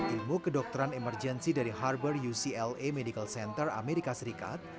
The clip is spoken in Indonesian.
ilmu kedokteran emergensi dari harbor ucla medical center amerika serikat